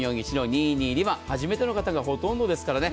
初めての方がほとんどですからね。